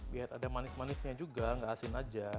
biar ada manis manisnya juga nggak asin aja